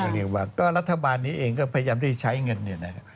เรียกว่ารัฐบาลนี้เองก็พยายามได้ใช้เงิน